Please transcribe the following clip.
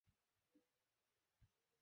সকাল হয়ে আসছে।